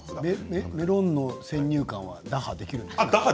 メロンの先入観は打破できますか。